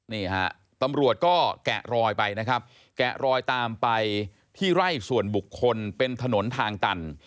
นี่ฮะตำรวจก็แกะรอยไปนะครับแกะรอยตามไปที่ไร่ส่วนบุคคลเป็นถนนทางตัน